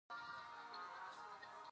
د حلال رزق خوړل عبادت ګڼل کېږي.